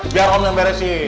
biar om yang beresin